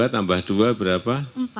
dua tambah dua berapa